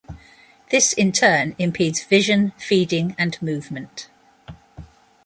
This, in turn, impedes vision, feeding, and movement.